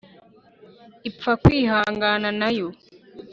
ipfa kwihangana na yo